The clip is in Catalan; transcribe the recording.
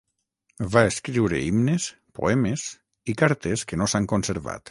Va escriure himnes, poemes i cartes que no s'han conservat.